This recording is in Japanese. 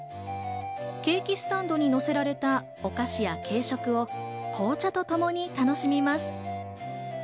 ケーキスタンドにのせられたお菓子や軽食を紅茶とともに楽しみます。